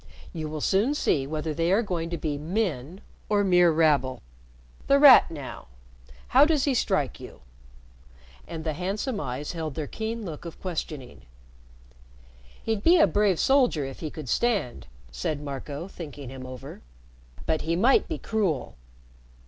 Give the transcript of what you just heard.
You will soon see whether they are going to be men or mere rabble. The Rat now how does he strike you?" And the handsome eyes held their keen look of questioning. "He'd be a brave soldier if he could stand," said Marco, thinking him over. "But he might be cruel."